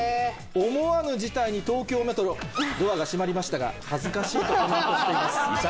思わぬ事態に東京メトロドアが閉まりましたが「恥ずかしい」とコメントしています。